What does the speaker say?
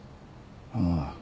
ああ。